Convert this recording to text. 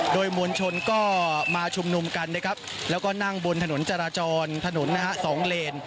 โดยมวลชนก็มาชุมนุมกันและนั่งบนถนนจราจรถนนหน้า๒เลน